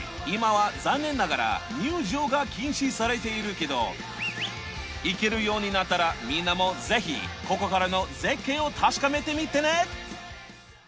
今は残念ながら入場が禁止されているけど行けるようになったらみんなもぜひここからの絶景を確かめてみてね！